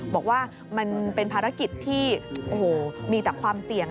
บอกว่ามันเป็นภารกิจที่มีแต่ความเสี่ยง